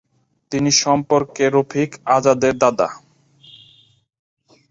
তিনি সম্পর্কে রফিক আজাদের দাদা।